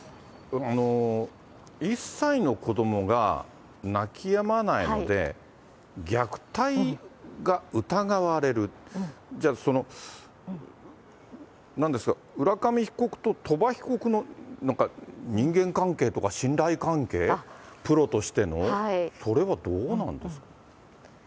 １歳の子どもが泣きやまないので、虐待が疑われる、じゃあ、そのなんですか、浦上被告と鳥羽被告の、なんか人間関係とか信頼関係、プロとしての、それはどうなんですかね。